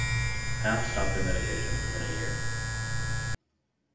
Half stop their medications within a year.